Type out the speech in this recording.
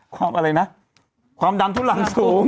ความอะไรนะความดำทุนหลังสูง